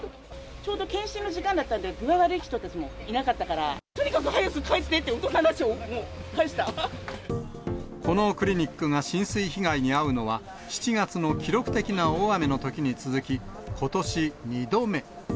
ちょうど健診の時間だったんで、具合悪い人たちもいなかったから、とにかく早く帰ってって、このクリニックが浸水被害に遭うのは、７月の記録的な大雨のときに続き、ことし２度目。